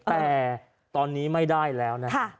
แต่ตอนนี้ไม่ได้แล้วนะครับ